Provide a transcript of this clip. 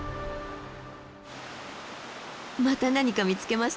また何か見つけました？